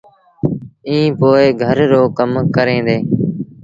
ائيٚݩ پو گھر رو ڪم ڪريݩ ديٚݩ۔